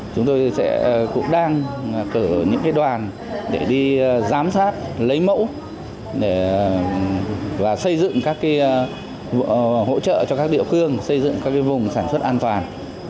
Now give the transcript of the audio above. chúng tôi cũng đang cử những đoàn để đi giám sát lấy mẫu và xây dựng các hỗ trợ cho các địa phương xây dựng các vùng sản xuất an toàn